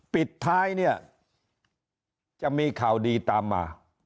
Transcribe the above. ปิดท้ายเนี่ยจะมีข่าวดีตามมา